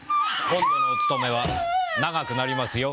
今度のお勤めは長くなりますよ。